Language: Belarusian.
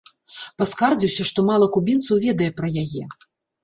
Паскардзіўся, што мала кубінцаў ведае пра яе.